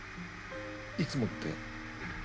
いつもって？